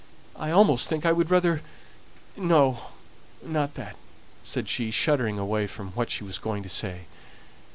I almost think I would rather no, not that," said she, shuddering away from what she was going to say.